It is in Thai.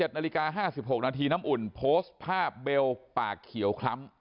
๗นาฬิกา๕๖นาทีน้ำอุ่นโพสต์ภาพเบลปากเขียวคล้ำ